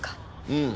うん。